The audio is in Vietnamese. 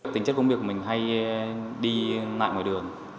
tính chất công việc của mình hay đi lại ngoài đường